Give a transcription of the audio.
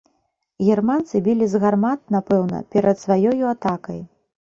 Германцы білі з гармат, напэўна, перад сваёю атакай.